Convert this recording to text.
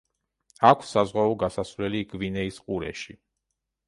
აქვს საზღვაო გასასვლელი გვინეის ყურეში.